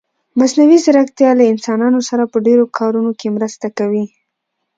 مصنوعي ځيرکتيا له انسانانو سره په ډېرو کارونه کې مرسته کوي.